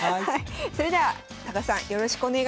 それでは高橋さんよろしくお願いします。